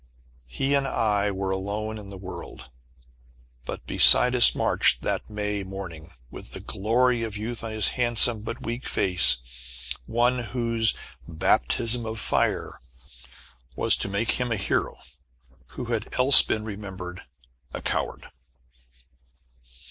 He and I were alone in the world. But beside us marched, that May morning, with the glory of youth on his handsome but weak face, one whose "baptism of fire" was to make him a hero, who had else been remembered a coward.